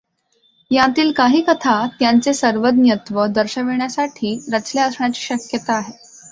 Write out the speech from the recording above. यांतील काही कथा त्यांचे सर्वज्ञत्व दर्शविण्यासाठी रचल्या असण्याची शक्यता आहे.